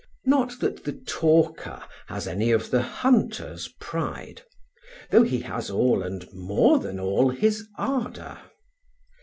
Not that the talker has any of the hunter's pride, though he has all and more than all his ardour.